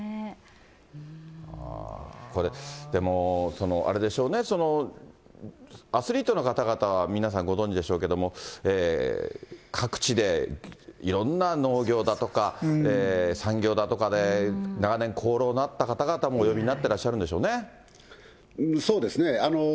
でも、あれでしょうね、アスリートの方々は皆さんご存じでしょうけれども、各地でいろんな農業だとか、産業だとかで長年功労のあった方々もお呼びになってらっしゃるんそうですね。